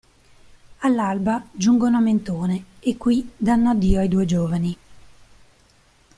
All'alba giungono a Mentone e qui danno addio ai due giovani.